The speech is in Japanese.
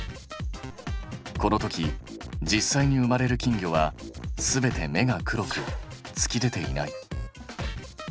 このとき実際に生まれる金魚は全て目が黒く突き出ていない。